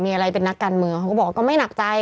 มีอะไรเป็นนักการเมืองเขาก็บอกว่าก็ไม่หนักใจ